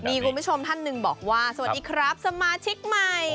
มีคุณผู้ชมท่านหนึ่งบอกว่าสวัสดีครับสมาชิกใหม่